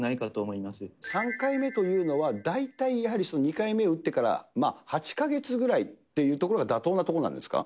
３回目というのは、大体やはり２回目打ってから８か月ぐらいっていうところが妥当なところなんですか。